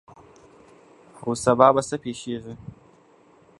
او سبا به څه پیښیږي.